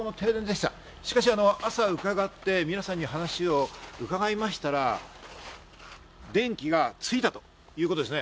しかし、朝うかがって、皆さんに話をうかがいましたら、電気がついたということですね。